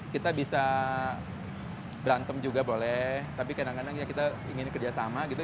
kita bisa berantem juga boleh tapi kadang kadang ya kita ingin kerjasama gitu